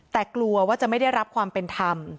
บอกว่าจะไม่ได้รับความเป็นธรรม